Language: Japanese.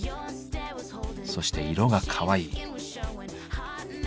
そして色がかわいい。